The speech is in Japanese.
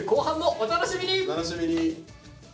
お楽しみに。